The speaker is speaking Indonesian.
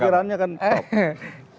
kira kiraannya kan top